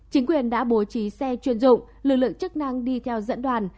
chính quyền đã bố trí xe chuyên dụng lực lượng chức năng đi theo dẫn đoàn